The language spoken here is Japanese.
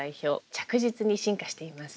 着実に進化しています。